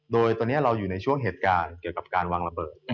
โดยตอนนี้เราอยู่ในช่วงเหตุการณ์เกี่ยวกับการวางระเบิด